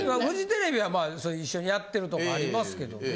フジテレビはまあ一緒にやってるとこありますけど。